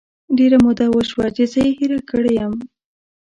ډیره موده وشوه چې زه یې هیره کړی یمه